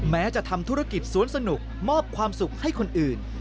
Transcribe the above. แม้จะทำธุรกิจสวนสนุกมอบความสุขให้คนอื่น